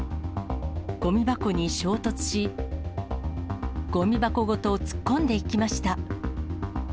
ごみ箱に衝突し、ごみ箱ごと突っ込んでいきました。